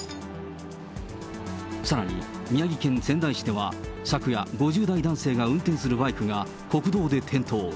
さらに宮城県仙台市では昨夜、５０代男性が運転するバイクが国道で転倒。